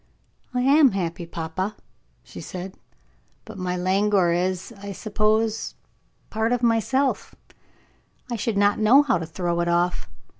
"I am happy, papa," she said; "but my languor is, I suppose, part of myself I should not know how to throw it off.